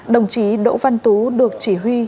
đồng chí đỗ văn tú được chỉ huy